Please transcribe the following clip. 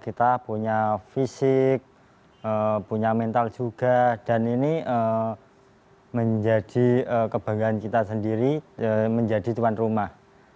kita punya fisik punya mental juga dan ini menjadi kebanggaan kita sendiri menjadi tuan rumah